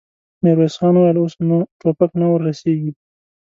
ميرويس خان وويل: اوس نو ټوپک نه ور رسېږي.